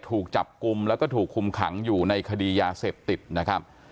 ถูกจับกลุ่มแล้วก็ถูกคุมขังอยู่ในคดียาเสพติดนะครับ